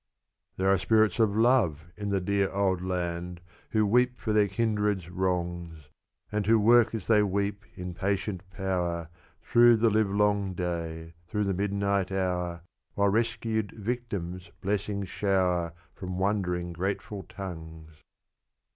There are spirits of love in the "Dear Old Land," Who weep for their kindred's wrongs; And who work as they weep, in patient power, Through the livelong day, through the midnight hour While rescued victims blessings shower From wondering, grateful tongues.